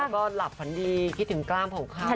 ก็หลับฝันดีคิดถึงกล้ามของเขา